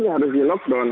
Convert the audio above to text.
ya harus di lockdown